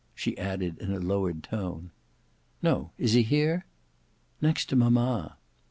she added in a lowered tone. "No; is he here?" "Next to mamma."